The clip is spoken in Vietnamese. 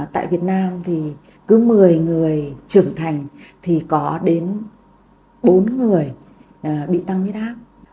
tại việt nam thì cứ một mươi người trưởng thành thì có đến bốn người bị tăng huyết áp